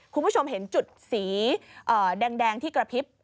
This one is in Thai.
คุณผู้ชมเห็นจุดสีแดงที่กระพริบ